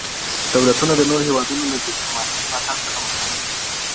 دولتونه د نورو هیوادونو له ډیپلوماټیک ملاتړ څخه برخمن دي.